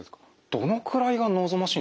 どのくらいが望ましいんですか？